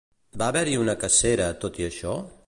Va haver-hi una cacera, tot i això?